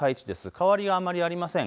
変わりはあまりありません。